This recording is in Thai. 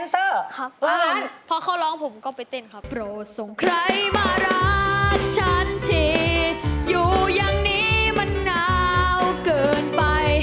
ส่งใครมารักฉันที่อยู่อย่างนี้มันหนาวเกินไป